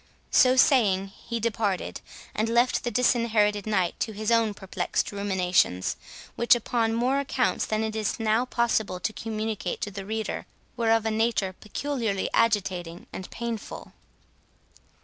So saying, he departed, and left the Disinherited Knight to his own perplexed ruminations; which, upon more accounts than it is now possible to communicate to the reader, were of a nature peculiarly agitating and painful.